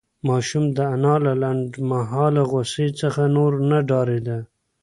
ماشوم د انا له لنډمهاله غوسې څخه نور نه ډارېده.